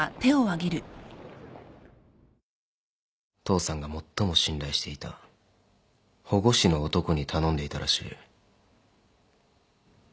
父さんが最も信頼していた保護司の男に頼んでいたらしい。